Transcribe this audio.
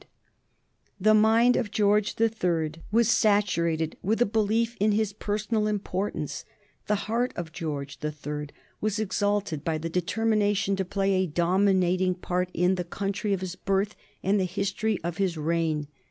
[Sidenote: 1765 England and her colonial governors] The mind of George the Third was saturated with a belief in his personal importance; the heart of George the Third was exalted by the determination to play a dominating part in the country of his birth and the history of his reign.